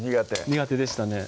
苦手でしたね